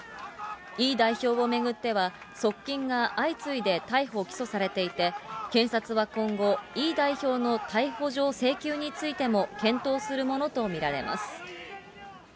イ代表を巡っては、側近が相次いで逮捕・起訴されていて、検察は今後、イ代表の逮捕状請求についても検討するものと見られます。